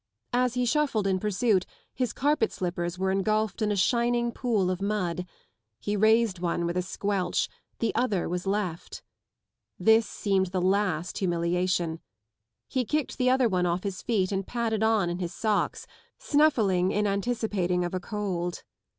As he shuffled in pursuit his carpet slippers were engulfed in a shining pool of mud : he raised one with a squelch, the other was left. This seemed the last humiliation. lie kicked the other one off his feet and padded on in his socks, snuffling in anticipating of a cold.